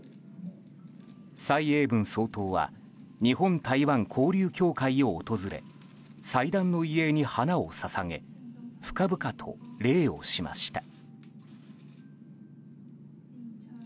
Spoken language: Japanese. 蔡英文総統は日本台湾交流協会を訪れ祭壇の遺影に花を捧げ深々と礼をしました。